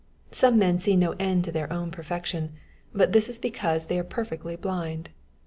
Some men see no end to their own perfection, but this is because they are per fectly blind.